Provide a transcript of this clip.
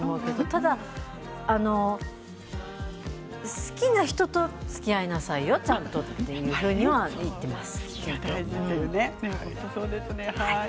ただ好きな人とおつきあいしなさいよちゃんとと言っています。